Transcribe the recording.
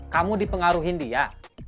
kamu dipengaruhin dia